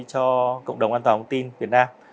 cho cộng đồng an toàn thông tin việt nam